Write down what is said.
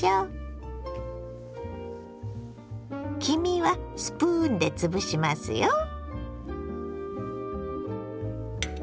黄身はスプーンでつぶしますよ。